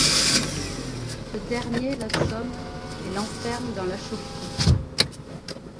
Ce dernier l'assomme et l'enferme dans la chaufferie.